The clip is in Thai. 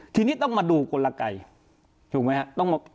ทีนี้ต้องมาดูคนละกัยถูกมั้ยฮะ